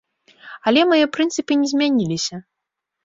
Але мае прынцыпы не змяніліся.